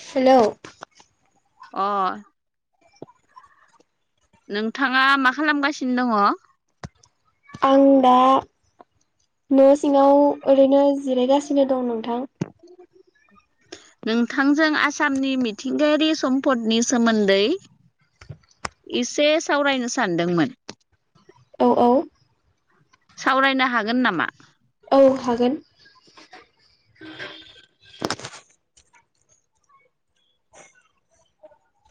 हेल' अ नोंथाङा मा खालामगासिनो दङ आं दा न' सिङाव ओरैनो जिरायगासिनो दं नोंथां नोंथांजों आसामनि मिथिंगायारि सम्पदनि सोमोन्दै एसे सावरायनो सानदोंमोन औ औ सावरायनो हागोन नामा औ हागोन उ [inaudible]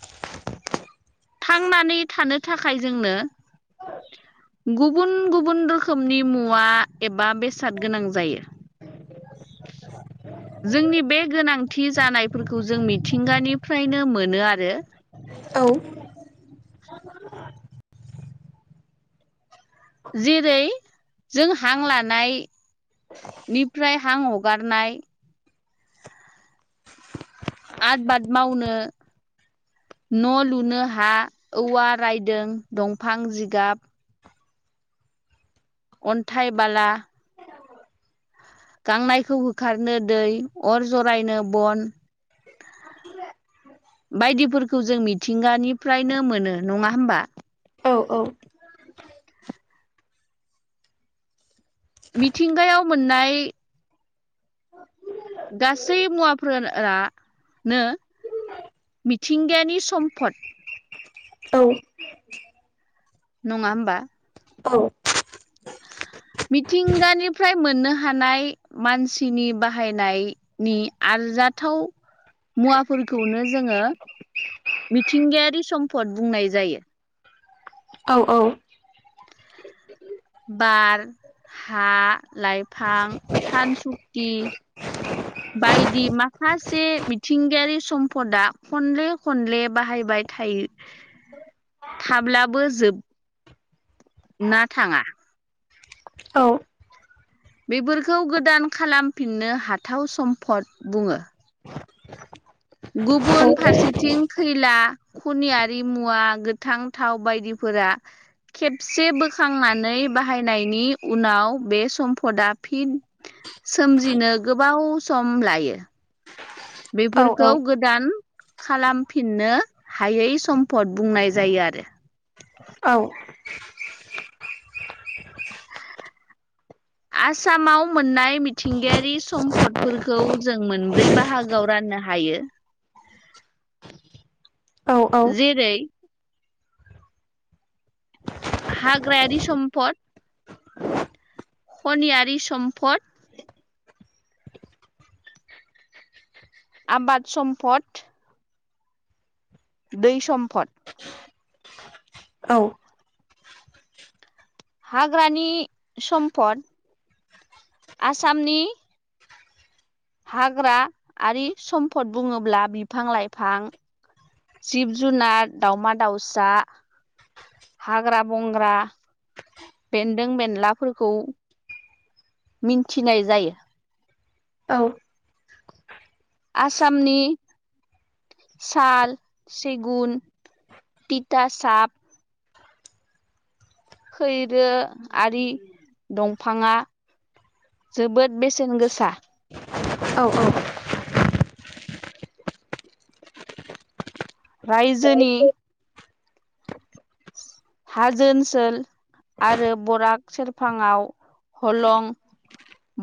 [inaudible] थांनानै थानो थाखाय जोंनो गुबुन गुबुन रोखोमनि मुवा एबा बेसाद गोनां जायो। जोंनि बे गोनांथि जानायफोरखौ जों मिथिंगानिफ्रायनो मोनो आरो औ जेरै जों हां लानाय निफ्राय हां हगारनाय आबबाद मावनो न' लुनो हा औवा रायदों दंफां जिगाब अन्थाइ बाला गांनायखौ होखारनो दै अर जरायनो बन बायदिफोरखौ जों मिथिंगानिफ्रायनो मोनो नङा हबा औ औ मिथिंगायाव मोननाय गासै मुवाफोररानो मिथिंगायानि सम्पद औ नङा होमबा औ मिथिंगानिफ्राय मोननो हानाय मानसिनि बाहायनाय नि आरजाथाव मुवाफोरखौनो जोङो मिथिंगायारि सम्फद बुंनाय जायो। औ औ बार हा लाइफां सानसुक्ति बायदि माखासे मिथिंगायारि सम्पदा खनले खनले बाहायबाय थायो। थाब्लाबो जोब ना थाङा बेफोरखौ गोदान खालामफिननो हाथाव सम्फद बुङो। गुबुन फारसेथिं खैला खनियारि मुवा गोथां थाव बायदिफोरा खेबसे बोखांनानै बाहायनायनि उनाव बे सम्फदा फिन सोमजिनो गोबाव सम लायो औ बेफोरखौ गोद गोदान खालामफिननो हायै सम्फद बुंनाय जायो आरो औ [inaudible] आसामाव मोननाय मिथिंगायारि सम्पदफोरखौ जों मोनब्रै बाहागोआव राननो हायो। जेरै हाग्रायारि सम्पद खनियारि सम्पद आबाद सम्फद दै सम्फद। औ हाग्रानि सम्पद आसामनि हाग्रा आरि सम्फद बुङोब्ला बिफां लाइफां जिब जुनार दावमा दाउसा हाग्रा बंग्रा बेन्दों बेनलाफोरखौ मिन्थिनाय जायो। औ आसामनि साल सेगुन तिथासाब खैरो आरि दंफाङा जोबोद बेसेन गोसा। औ औ रायजोनि हाजो ओनसोल आरो बराग सेरफाङाव हलं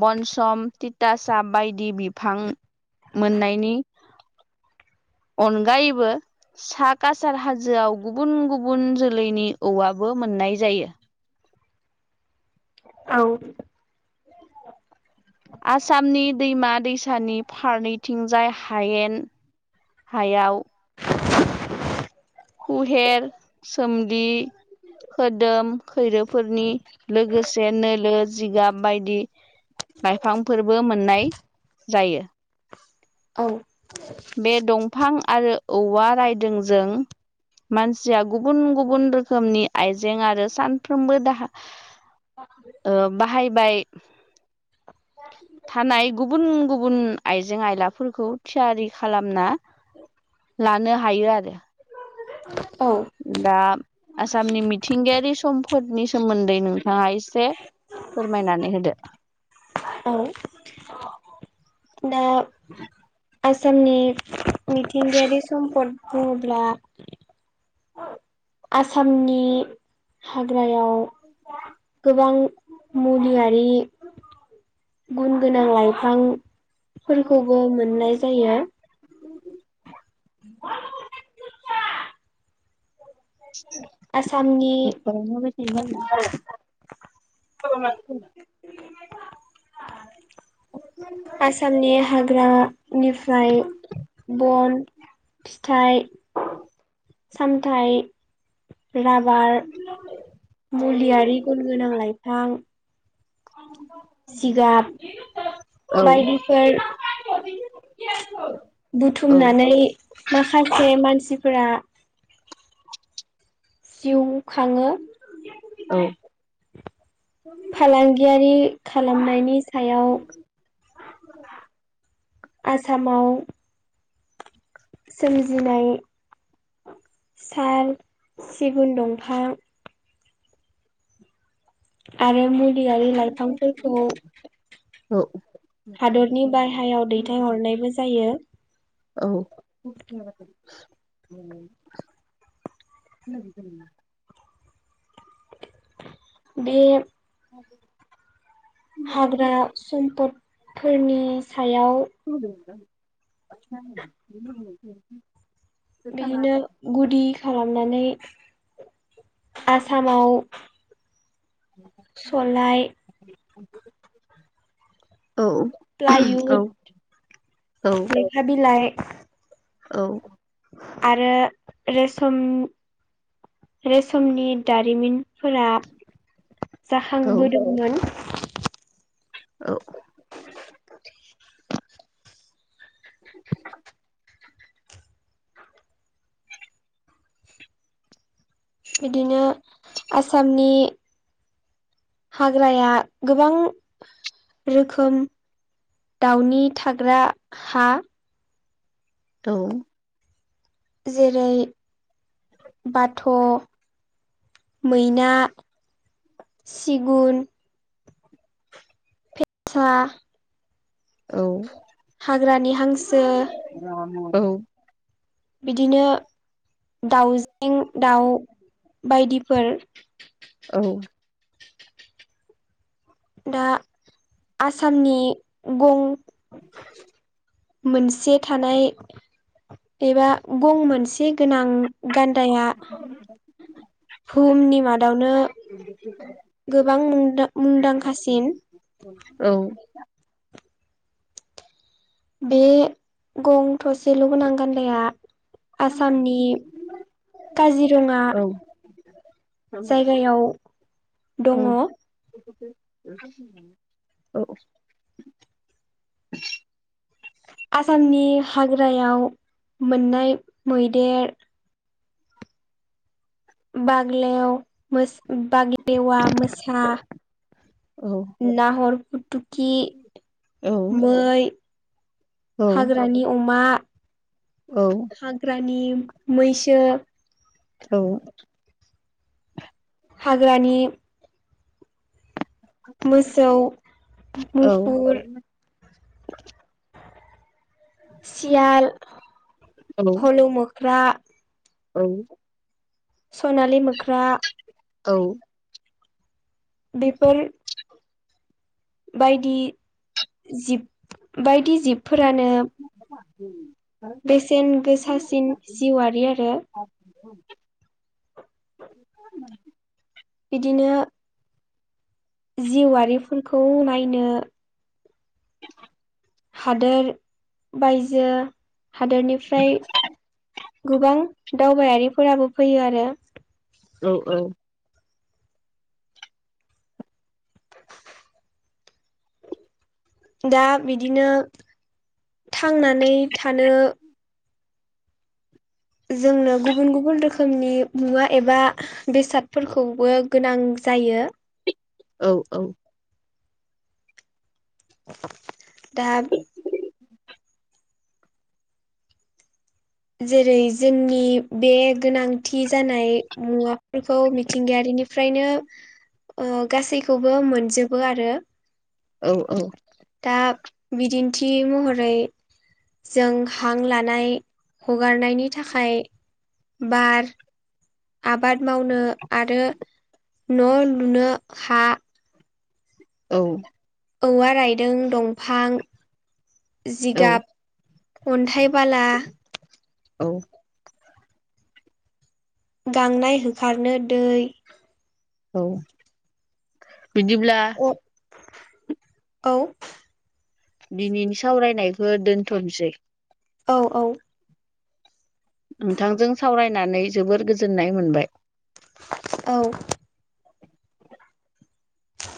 बनसम थिथासा बायदि बिफां मोननायनि अनगायैबो सा कासार हाजोआव गुबुन गुबुन जोलैनि औवाबो मोननाय जायो। औ आसामनि दैमा दैसानि फारनैथिंजाय हायेन हायाव। खुहेर सोमदि खोदोम खैरोफोरनि लोगोसे नोलो जिगाब बायदि लाइफांफोरबो मोननाय जायो। औ बे दंफां आरो औवा रायदोंजों मानसिया गुबुन गुबुन रोखोमनि आइजें आरो सानफ्रोमबो दाहा ओ बाहायबाय थानाय गुबुन गुबुन आइजें आयलाफोरखौ थियारि खालामना लानो हायो आरो औ दा आसामनि मिथिंगायारि सम्पदनि सोमोन्दै नोंथाङा एसे फोरमायनानै होदो। औ। दा आसामनि मिथिंगायारि सम्पद बुङोब्ला आसामनि हाग्रायाव गोबां मुलियारि गुन गोनां लाइफांफोरखौबो मोननाय जायो। [inaudible] [inaudible] आसामनि [inaudible] आसामनि हाग्रानिफ्राय बन फिथाइ, सामथाइ, राबार मुलियारि गुन गोनां लाइफां जिगाब औ बायदिफोर [inaudible] औ बुथुमनानै माखासे मानसिफोरा जिउखाङो। औ। फालांगियारि खालामनायनि सायाव [inaudible] आसामाव सोमजिनाय साल सिगुन दंफां आरो [unintelligible] [unintelligible] लाइफांफोरखौ औ हादरनि बायहायाव दैथाय फानहरनायबो जायो। औ। [inaudible] उम [unintelligible] बे [unintelligible] हाग्रा सम्पदफोरनि सायाव बिदिनो गुदि खालामनानै आसामाव सलाय औ। प्लाय उद लेखा बिलाइ औ। आरो रेसन रेसमनि दारिमिनफोरा जाखांबोदोंमोन। औ। बिदिनो आसामनि हाग्राया गोबां रोखोम दाउनि थाग्रा हा [unintelligible] जेरै बाथ' मैना, सिगुन सा औ। हाग्रानि हांसो औ बिदिनो दाउजें दाउ बायदिफोर औ दा आसामनि गं मोनसे थानाय एबा गं मोनसे गोनां गान्दाया भुहुमनि माद यावनो गोबां मुं मुंदांखासिन औ बे गं थसेलगोनां गान्दाया आसामनि काजिरङा जायगायाव दङ औ आसामनि हाग्रायाव मोननाय मैदेर बाग्लेव बाग्लेवा मोसा नाहर फटकि मै औ औ हाग्रानि अमा औ हाग्रानि मैसो औ हाग्रानि मोसौ मुफुर सियाल हल' मोख्रा औ सनालि मोख्रा औ बेफोर बायदि जिब बायदि जिबफोरानो हो बेसेन गोसासिन जिउआरारि आरो बिदिनो जिउआिफोरखौ नायनो हादोर बायजो हादोरनिफ्राय गोबां दावबायारिफोराबो फैयो आरो औ औ दा बिदिनो थांनानै थानो जोंनो गुबुन गुबुन रोखोमनि मुवा एबा बेसादफोरखौबो गोनां जायो औ औ दा जेरै जोंनि बे गोनांथि जानाय मुवाफोरखौ मिथिंगायारिनि फ्रायनो गासैखौबो मोनजोबो आरो औ औ दा बिदिन्थि महरै जों हां लानाय हगारनायनि थाखाय बार आबाद मावनो आरो न' लुनो हा औ औवा रायदों दंफां जिगाब अन्थाइ बाला औ गांनाय होखारनो दै औ बिदिब्ला अ औ दिनैनि सावरायनायखौ दोनथ'नोसै औ औ नोंथांजों सावरायनानै जोबोर गोजोननाय मोनबाय औ